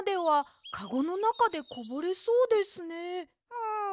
うん。